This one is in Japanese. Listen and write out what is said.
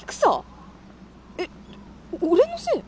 えっ俺のせい？